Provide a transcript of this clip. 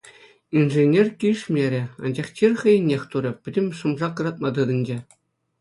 Инженер килӗшмерӗ, анчах чир хӑйӗннех турӗ, пӗтӗм шӑм-шак ыратма тытӑнчӗ.